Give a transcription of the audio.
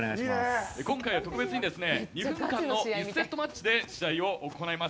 今回は特別に２分間の１セットマッチで試合を行います。